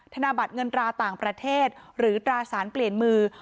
ธนบัตรเงินตราต่างประเทศหรือตราสารเปลี่ยนมือ